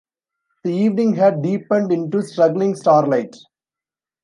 The evening had deepened into struggling starlight.